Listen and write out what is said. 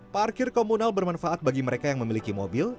parkir komunal bermanfaat bagi mereka yang memiliki mobil